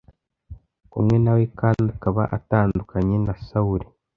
Kumwe na we kandi akaba atandukanye na sawuli